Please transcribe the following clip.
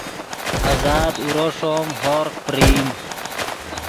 آزاد اورو ݰوم ہوروغ پرئیم